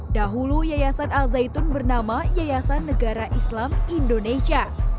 dahulu yayasan al zaitun bernama yayasan negara islam indonesia